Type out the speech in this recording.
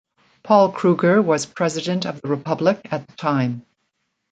Paul Kruger was president of the republic at the time.